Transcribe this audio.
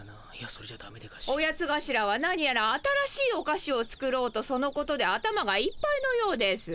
オヤツがしらはなにやら新しいおかしを作ろうとそのことで頭がいっぱいのようです。